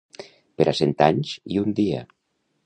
Per a cent anys i un dia.